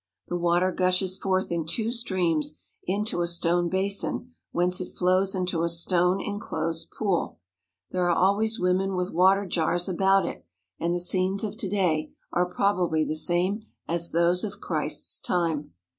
The water gushes forth in two streams into a stone basin, whence it flows into a stone inclosed pool. There are always women with water jars about it, and the scenes of to day are probably the same as those of Christ's time.